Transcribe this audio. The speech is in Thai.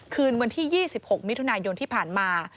คืนวันที่๒๖มิถุนายนที่ผ่านมา